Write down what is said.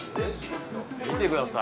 見てください